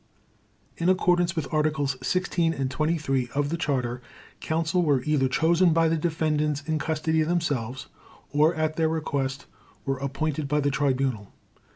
In accordance with Articles 16 and 23 of the Charter, Counsel were either chosen by the defendants in custody themselves, or at their request were appointed by the Tribunal.